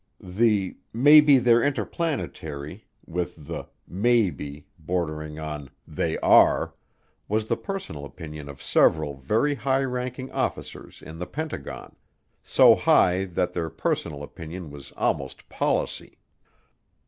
The "maybe they're interplanetary" with the "maybe" bordering on "they are" was the personal opinion of several very high ranking officers in the Pentagon so high that their personal opinion was almost policy.